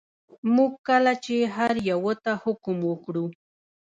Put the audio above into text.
موږ کله چې هر یوه ته حکم وکړو.